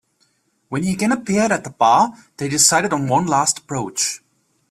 When he again appeared at the bar, they decided on one last approach.